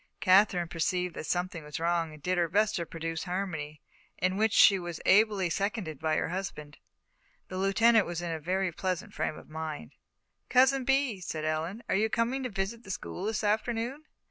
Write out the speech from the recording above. Katherine perceived that something was wrong and did her best to produce harmony, in which she was ably seconded by her husband. The Lieutenant was in a very pleasant frame of mind. "Cousin Bee," said Ellen, "are you coming to visit the school this afternoon?"